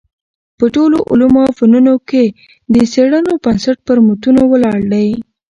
په ټولو علومو او فنونو کي د څېړنو بنسټ پر متونو ولاړ دﺉ.